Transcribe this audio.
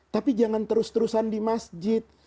tapi jangan terus terusan di masjid